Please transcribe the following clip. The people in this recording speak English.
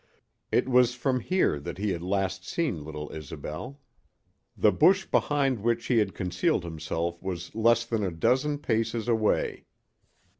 It was from here that he had last seen little Isobel. The bush behind which he had concealed himself was less than a dozen paces away.